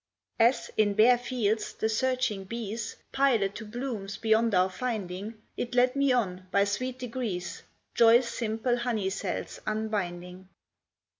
As, in bare fields, the searching bees Pilot to blooms beyond our finding, It led me on, by sweet degrees, Joy's simple honey cells unbinding.